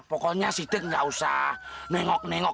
pokoknya sidek gak usah nengok nengok